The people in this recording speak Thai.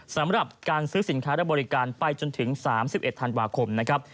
สำหรับการซื้อสินค้าและบริการไปจนถึง๓๑ธันวาคมนะครับ